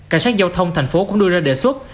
cảnh sát giao thông thành phố cũng đưa ra đề xuất